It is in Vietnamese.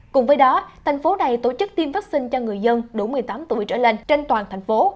cùng với đó thành phố này tổ chức tiêm vaccine cho người dân đủ một mươi tám tuổi trở lên trên toàn thành phố